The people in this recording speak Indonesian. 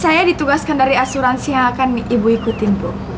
saya ditugaskan dari asuransi yang akan ibu ikutin bu